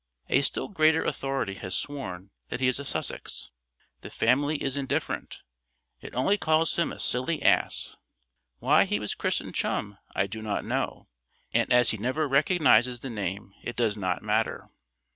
A still greater authority has sworn that he is a Sussex. The family is indifferent it only calls him a Silly Ass. Why he was christened Chum I do not know; and as he never recognises the name it does not matter.